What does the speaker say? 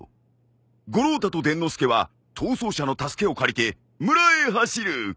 五郎太と伝の助は逃走者の助けを借りて村へ走る。